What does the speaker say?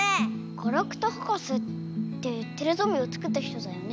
ガラクタ博士ってテレゾンビを作った人だよね？